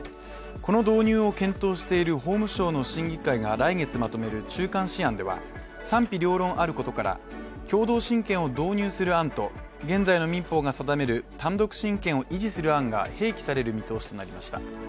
この導入を検討している法務省の審議会が来月まとめる中間試案では賛否両論あることから共同親権を導入する案と現在の民法が定める単独親権を維持する案が併記される見通しとなりました。